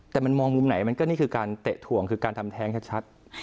แต่มันมองมุมไหนมันก็นี่คือการเตะถ่วงคือการทำแท้งชัด